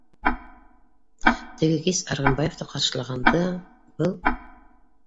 Теге кис, Арғынбаевты ҡаршылағанда, был